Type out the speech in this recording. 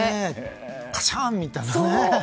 カシャーン！みたいなね。